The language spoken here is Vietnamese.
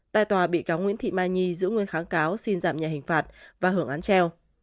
tại tòa bị cáo nguyễn thị mai nhi giữ nguyên kháng cáo xin giảm nhẹ hình phạt và hưởng án treo